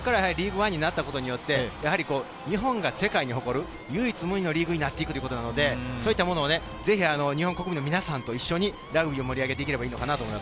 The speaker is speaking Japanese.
リーグワンになったことで日本が世界に誇る唯一無二のリーグになっていくということなので日本国民の皆さんと一緒にラグビーを盛り上げていければいいのかなと。